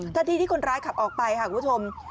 ทันทีที่คนร้ายขับออกไปค่ะคุณผู้ชม